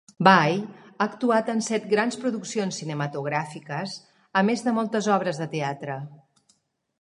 Bai ha actuat en set grans produccions cinematogràfiques a més de moltes obres de teatre.